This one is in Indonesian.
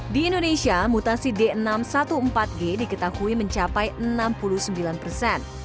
di indonesia mutasi d enam ratus empat belas g diketahui mencapai enam puluh sembilan persen